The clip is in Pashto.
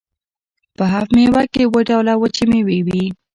په هفت میوه کې اووه ډوله وچې میوې وي.